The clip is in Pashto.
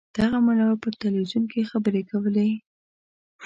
دغه ملا په تلویزیون کې خبرې کولې.